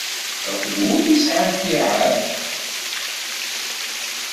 Akked wumi i sɛant ttiɛad?